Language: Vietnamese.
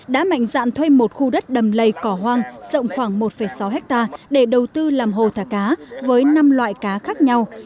đã mạnh dạn thuê một khu đất đầm lầy cỏ hoang rộng khoảng một sáu hectare để đầu tư làm hồ thả cá với năm loại cá khác nhau